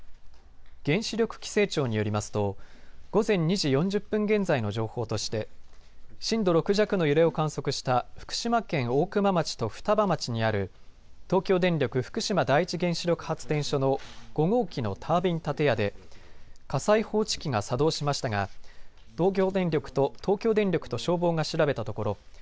原子力規制庁によりますと午前２時４０分現在の情報として震度６弱の揺れを観測した福島県大熊町と双葉町にある東京電力福島第一原子力発電所の５号機のタービン建屋で火災報知器が作動しましたが、東京電力と消防が調べたところ